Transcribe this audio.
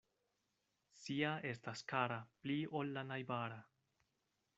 Sia estas kara pli ol la najbara.